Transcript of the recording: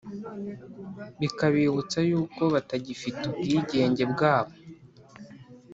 bikabibutsa yuko batagifite ubwigenge bwabo